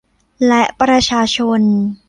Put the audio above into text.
และประชาชน